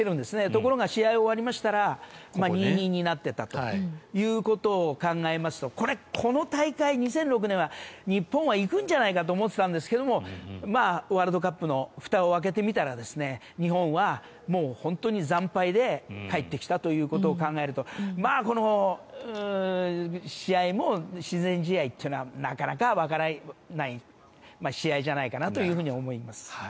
ところが、試合終わりましたら２−２になっていたということを考えますとこれ、この大会２００６年は日本は行くんじゃないかと思っていたんですがワールドカップのふたを開けてみたら日本は本当に惨敗で帰ってきたということを考えるとこの試合も親善試合というのはなかなかわからない試合じゃないかなと思います。